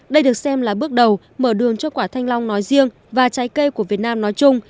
đây được xem là bước đầu mở đường cho quả thanh long nói riêng và trái cây của việt nam nói chung